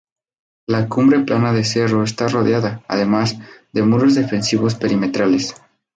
La cumbre plana del cerro está rodeada, además, de muros defensivos perimetrales.